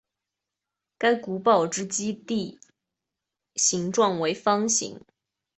该古堡之基地形状为方形。